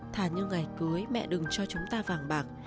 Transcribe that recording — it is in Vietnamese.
thả như ngày cưới mẹ đừng cho chúng ta vàng bạc